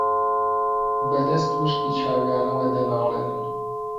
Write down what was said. بەدەست وشکی چاویانەوە دەناڵێنن